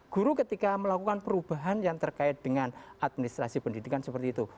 guru ketika melakukan perubahan yang terkait dengan administrasi pendidikan seperti itu